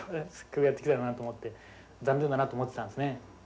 すごいやってきたなと思って残念だなと思ってたんですね。